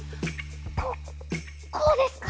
ここうですか？